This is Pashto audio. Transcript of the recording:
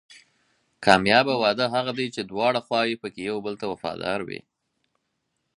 کامیابه واده هغه دی چې دواړه خواوې پکې یو بل ته وفادار وي.